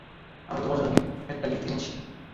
আমি তোমার জন্য একটা গিফট এনেছি।